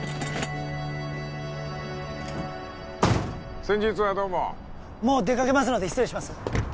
先日はどうももう出かけますので失礼します